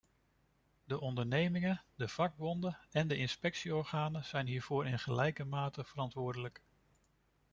De ondernemingen, de vakbonden en de inspectieorganen zijn hiervoor in gelijke mate verantwoordelijk.